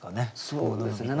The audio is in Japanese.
そうですね。